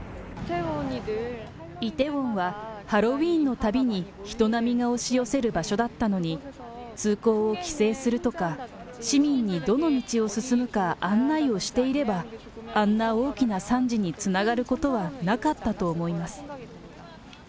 イテウォンは、ハロウィーンのたびに人波が押し寄せる場所だったのに、通行を規制するとか、市民にどの道を進むか案内をしていれば、あんな大きな惨事につながることはなかったと思います。